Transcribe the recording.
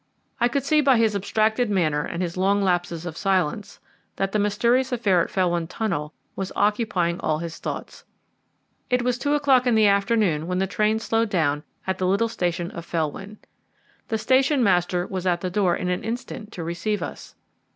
I could see by his abstracted manner and his long lapses of silence that the mysterious affair at Felwyn Tunnel was occupying all his thoughts. It was two o'clock in the afternoon when the train slowed down at the little station of Felwyn. The station master was at the door in an instant to receive us.